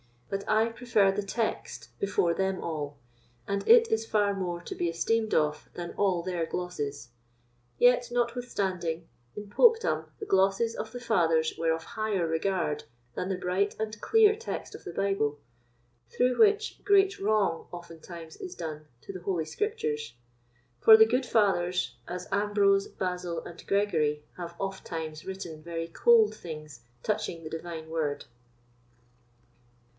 But I prefer the Text before them all, and it is far more to be esteemed of than all their glosses; yet, notwithstanding, in Popedom the glosses of the Fathers were of higher regard than the bright and clear text of the Bible, through which great wrong oftentimes is done to the Holy Scriptures; for the good Fathers, as Ambrose, Basil, and Gregory, have ofttimes written very cold things touching the Divine word.